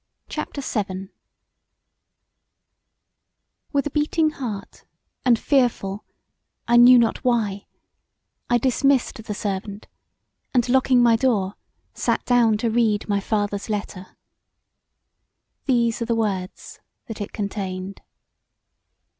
CHAPTER VII With a beating heart and fearful, I knew not why, I dismissed the servant and locking my door, sat down to read my father's letter. These are the words that it contained.